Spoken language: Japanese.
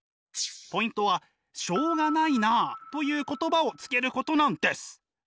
ポイントはしょうがないなあという言葉をつけることなんです！